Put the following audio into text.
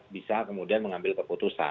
bisa kemudian mengambil keputusan